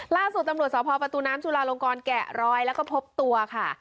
ล่าสุดตำรวจสพประตูน้ำจุลาลงกรแกะรอยแล้วก็พบตัวค่ะ